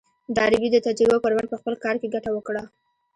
ډاربي د تجربو پر مټ په خپل کار کې ګټه وکړه.